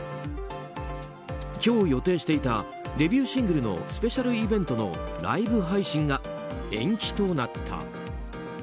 今日予定していたデビューシングルのスペシャルイベントのライブ配信が延期となった。